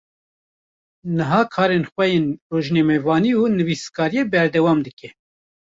Niha karên xwe yên rojnamevanî û nivîskariyê berdewam dike.